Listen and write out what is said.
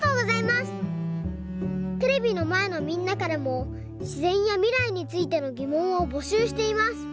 テレビのまえのみんなからもしぜんやみらいについてのぎもんをぼしゅうしています。